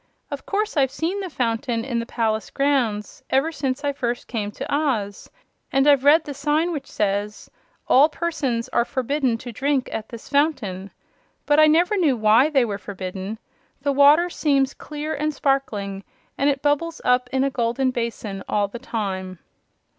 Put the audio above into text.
"Of course I've seen the fountain in the palace grounds, ever since I first came to Oz; and I've read the sign which says: 'All Persons are Forbidden to Drink at this Fountain.' But I never knew WHY they were forbidden. The water seems clear and sparkling and it bubbles up in a golden basin all the time."